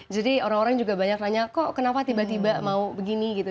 jadi orang orang juga banyak nanya kok kenapa tiba tiba mau begini gitu